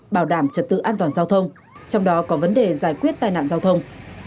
bảo đảm trật tự an toàn giao thông trong đó có vấn đề giải quyết tai nạn giao thông